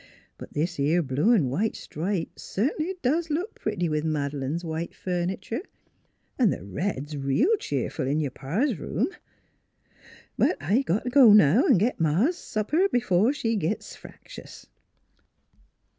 But this 'ere blue 'n' white stripe cert'nly does look pretty with Mad'lane's white furnitur'. 'N' th' red 's reel cheerful in your Pa's room. ... But I got t' go now 'n' git Ma Bennett's supper b'fore she gits fractious."